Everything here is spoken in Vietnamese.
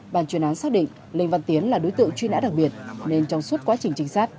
bàn chuyên án xác định linh văn tiến là đối tượng chuyên án đặc biệt nên trong suốt quá trình trinh sát